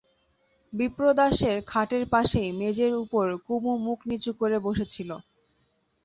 বিপ্রদাসের খাটের পাশেই মেজের উপর কুমু মুখ নিচু করে বসে ছিল।